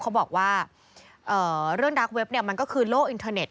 เขาบอกว่าเรื่องรักเว็บเนี่ยมันก็คือโลกอินเทอร์เน็